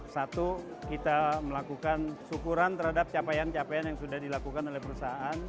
satu kita melakukan syukuran terhadap capaian capaian yang sudah dilakukan oleh perusahaan